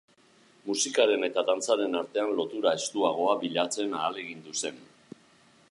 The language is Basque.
Musikaren eta dantzaren artean lotura estuagoa bilatzen ahalegindu zen.